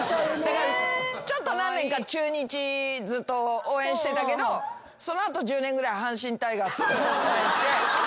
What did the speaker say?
ちょっと何年か中日ずっと応援してたけどその後１０年ぐらい阪神タイガース応援して。